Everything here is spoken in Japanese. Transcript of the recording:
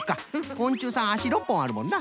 こんちゅうさんあし６ぽんあるもんな。